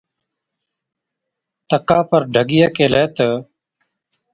تڪا پر ڍڳِيئَي ڪيهلَي تہ،